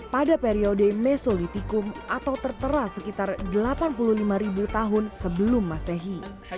pada periode mesolitikum atau tertera sekitar delapan puluh lima ribu tahun sebelum masehi